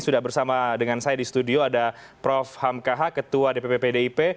sudah bersama dengan saya di studio ada prof hamkaha ketua dpp pdip